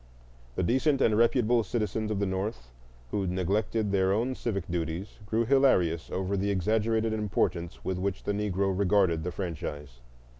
The decent and reputable citizens of the North who neglected their own civic duties grew hilarious over the exaggerated importance with which the Negro regarded the franchise.